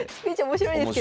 面白いです。